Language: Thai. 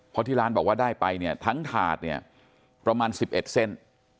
เพราะที่ร้านบอกว่าได้ไปเนี่ยทั้งถาดเนี่ยประมาณ๑๑เส้น